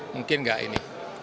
mungkin gak ini